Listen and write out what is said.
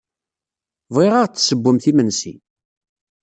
Bɣiɣ ad aɣ-d-tessewwemt imensi.